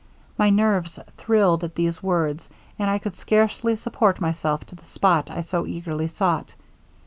My nerves thrilled at these words, and I could scarcely support myself to the spot I so eagerly sought.